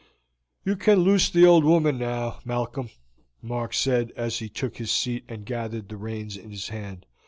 "You can loose the old woman now, Malcolm," Mark said as he took his seat and gathered the reins in his hand.